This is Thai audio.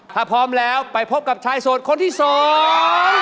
ถ้าพร้อมแล้วไปพบกับชายโสดคนที่สอง